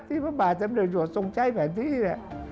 ที่พระบาทจำเป็นหยุดสงใจแผนที่เนี่ย